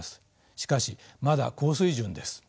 しかしまだ高水準です。